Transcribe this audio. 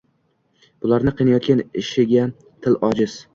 Bularni qilayotgan ishiga til ojiz.